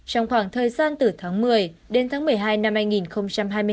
trong khoảng thời gian từ tháng một mươi đến tháng một mươi hai năm hai nghìn hai mươi ba